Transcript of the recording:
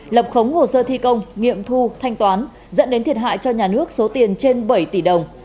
lập khống hồ sơ thi công nghiệm thu thanh toán dẫn đến thiệt hại cho nhà nước số tiền trên bảy tỷ đồng